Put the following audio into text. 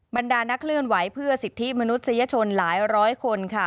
บรรดานักเคลื่อนไหวเพื่อสิทธิมนุษยชนหลายร้อยคนค่ะ